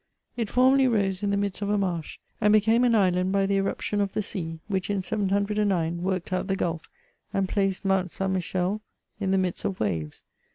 It formerly rose in the midst of a marsh, and became an island by the irruption of the sea, which in 709 worked out the gulf, and placed Mount St. Michel in the midst of waves.